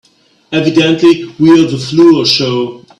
Evidently we're the floor show.